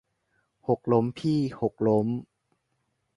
หกล้มพี่ หกล้ม